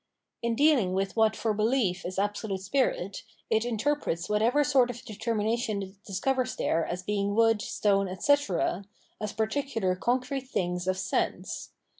In dealing with what for behef is Absolute Spirit, it interprets whatever sort of determination it discovers there as being wood, stone, etc., as particular concrete things of sense.